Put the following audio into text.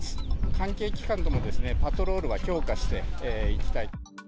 関係機関ともパトロールは強化していきたい。